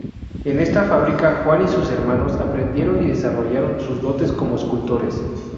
En esta fábrica, Juan y sus hermanos aprendieron y desarrollaron sus dotes como escultores.